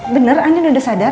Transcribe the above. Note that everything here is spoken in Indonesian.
bener andin udah sadar